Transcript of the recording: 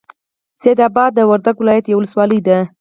سیدآباد د وردک ولایت یوه ولسوالۍ ده.